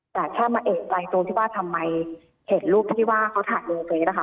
แต่แค่มาเอกใจตรงที่ว่าทำไมเห็นรูปที่ว่าเขาถ่ายลงเฟสนะคะ